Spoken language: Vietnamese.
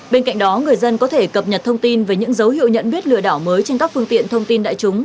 bên cạnh đó người dân có thể cập nhật thông tin về những dấu hiệu nhận biết lừa đảo mới trên các phương tiện thông tin đại chúng